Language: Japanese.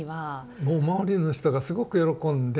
もうマオリの人がすごく喜んで。